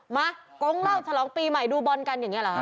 มากร่องเล่าสลองปีใหม่ดูระพยายามกันอย่างนี้เหรอ